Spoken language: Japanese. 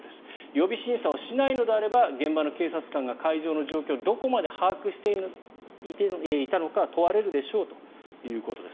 予備審査をしないのであれば現場の警察官が会場の状況をどこまで把握していたのかが問われるでしょうということです。